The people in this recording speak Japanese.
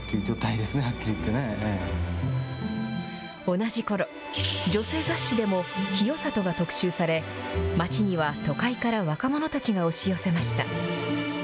同じころ、女性雑誌でも清里が特集され街には都会から若者たちが押し寄せました。